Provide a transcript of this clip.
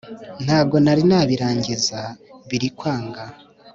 Ntago nari nabirangiza birikwanga